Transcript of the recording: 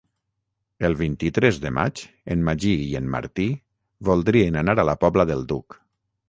El vint-i-tres de maig en Magí i en Martí voldrien anar a la Pobla del Duc.